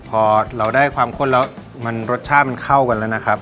พอเราได้ความข้นแล้วมันรสชาติมันเข้ากันแล้วนะครับ